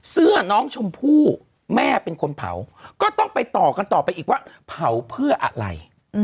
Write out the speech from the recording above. เสื้อน้องชมพู่แม่เป็นคนเผาก็ต้องไปต่อกันต่อไปอีกว่าเผาเพื่ออะไร